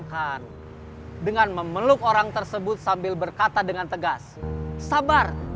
kamu orang lain lagi lapar